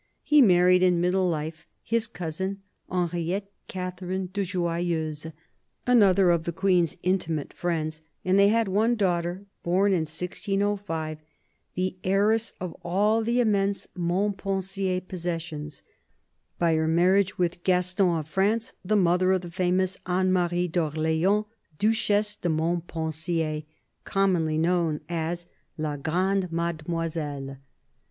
He married, in middle life, his cousin Henriette Catherine de Joyeuse, another of the Queen's intimate friends, and they had one daughter, born in 1605, the heiress of all the immense Montpensier possessions ; by her marriage with Gaston of France the mother of the famous Anne Marie d'Orleans, Duchesse de Montpensier, commonly known as La Grande Mademoiselle.